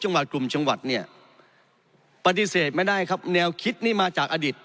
จังหวัดกลุ่มจังหวัดเนี่ยปฏิเสธไม่ได้ครับแนวคิดนี่มาจากอดีต